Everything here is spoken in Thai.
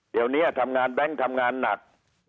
เดี๋ยวนี้ทำงานแบงค์ทำงานหนัก